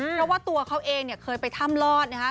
เพราะว่าตัวเขาเองเนี่ยเคยไปถ้ำรอดนะฮะ